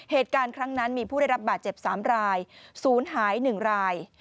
เหตุการณ์ครั้งนั้นมีผู้ได้รับบาดเจ็บ๓รายศูนย์หาย๑ราย